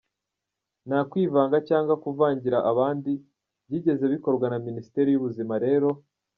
Nta kwivanga cg kuvangira abandi byigeze bikorwa na Ministeri y’Ubuzima rero.